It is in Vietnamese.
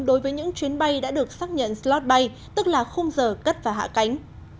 đối với những chuyến bay đã được xác nhận slot bay tức là khung giờ cất và hạ cánh